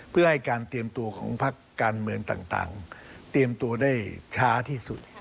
เพื่อให้การเตรียมตัวของพักการเมืองต่างเตรียมตัวได้ช้าที่สุด